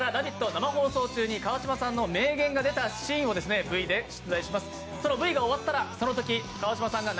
生放送中に川島さんの名言が出たシーンをＶで出題します。